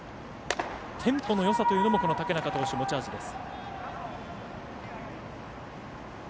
テンポのよさというのも竹中投手持ち味です。